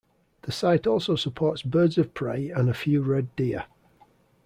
The site also supports birds of prey and a few red deer.